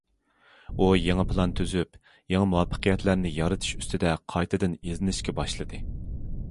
ئۇ يېڭى پىلان تۈزۈپ، يېڭى مۇۋەپپەقىيەتلەرنى يارىتىش ئۈستىدە قايتىدىن ئىزدىنىشكە باشلىدى.